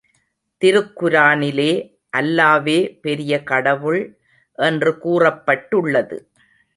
திருக்குரானிலே அல்லாவே பெரிய கடவுள் என்று கூறப்பட்டுள்ளது.